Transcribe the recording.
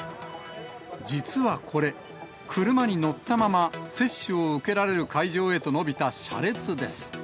実はこれ、車に乗ったまま接種を受けられる会場へと伸びた車列です。